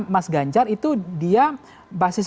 mas ganjar itu dia basis